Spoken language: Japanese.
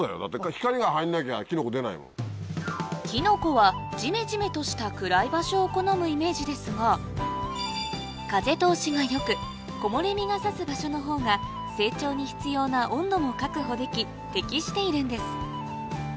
キノコはジメジメとした暗い場所を好むイメージですが風通しが良く木漏れ日が差す場所のほうが成長に必要な温度も確保でき適しているんです